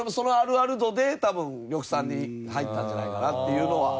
ある度で多分呂布さんに入ったんじゃないかなっていうのは。